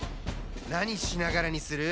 なにしながらにする？